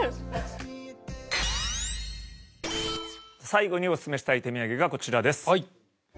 最後におすすめしたい手土産がこちらです。